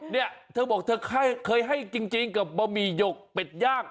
เนี่ยเธอบอกเธอเคยให้จริงกับบะหมี่หยกเป็ดย่าง